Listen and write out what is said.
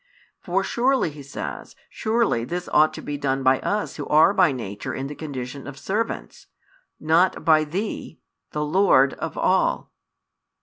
For surely, he says, surely this ought to be done by us who are by nature in the condition of "servants," not by Thee, the "Lord" of all.